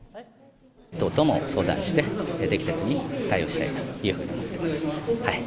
党とも相談して、適切に対応したいというふうに思っています。